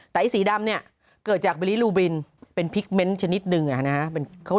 แต่สีดำนี่เกิดจากบีลลิลูบินเป็นพิกเม้นต์ชนิดหนึ่งนะคะ